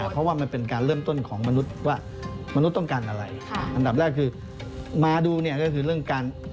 เพราะว่ามันเป็นการเริ่มต้นของมนุษย์ว่ามนุษย์ต้องการอะไรอันดับแรกคือมาดูเนี่ยก็คือเรื่องการ